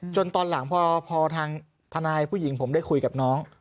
ตอนหลังพอทางทนายผู้หญิงผมได้คุยกับน้อง